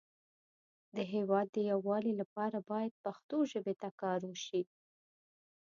د هیواد د یو والی لپاره باید پښتو ژبې ته کار وشی